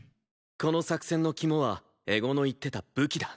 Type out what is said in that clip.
この作戦の肝は絵心の言ってた「武器」だ。